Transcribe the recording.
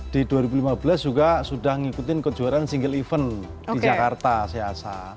di dua ribu lima belas juga sudah ngikutin kejuaraan single event di jakarta cs